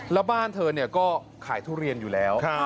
แล้วบ้านเธอก็ขายทุเรียนอยู่แล้ว